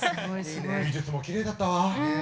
美術もきれいだったわ。